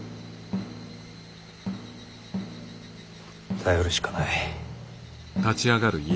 頼るしかない。